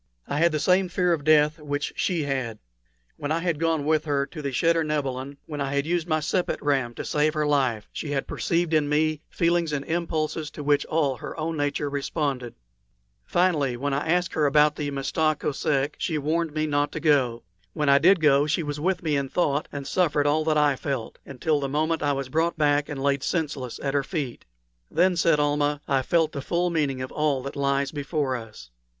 I had the same fear of death which she had. When I had gone with her to the cheder nebilin, when I had used my sepet ram to save life, she had perceived in me feelings and impulses to which all her own nature responded. Finally, when I asked about the Mista Kosek, she warned me not to go. When I did go she was with me in thought and suffered all that I felt, until the moment when I was brought back and laid senseless at her feet. "Then," said Almah, "I felt the full meaning of all that lies before us."